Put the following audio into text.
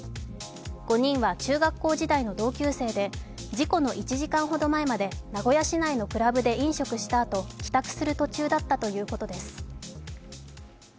５人は中学校時代の同級生で事故の１時間ほど前まで名古屋市内のクラブで飲食したあと、帰宅する途中だったということです。